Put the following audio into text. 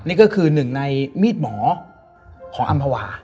นี่ก็คือหนึ่งในมีดหมอของอำภาวา